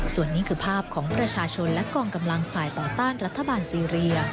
ส่วนนี้คือภาพของประชาชนและกองกำลังฝ่ายต่อต้านรัฐบาลซีเรีย